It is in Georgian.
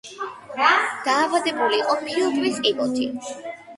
დაავადებული იყო ფილტვის კიბოთი.